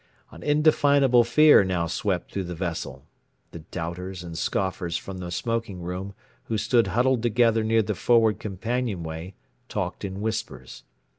An indefinable fear now swept through the vessel. The doubters and scoffers from the smoking room who stood huddled together near the forward companion way talked in whispers.